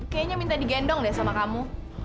kayaknya minta digendong deh sama kamu